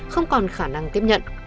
không còn khả năng tiếp nhận